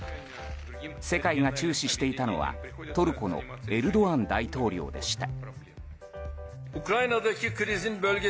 世界が注視していたのはトルコのエルドアン大統領でした。